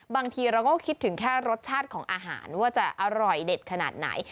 บางทีเราก็คิดถึงแค่รสชาติของอาหารว่าจะอร่อยเด็ดขนาดไหน